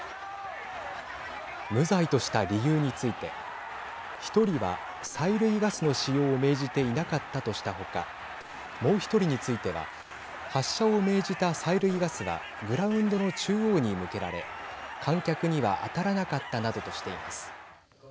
無罪とした理由について１人は催涙ガスの使用を命じていなかったとした他もう１人については発射を命じた催涙ガスはグラウンドの中央に向けられ観客には当たらなかったなどとしています。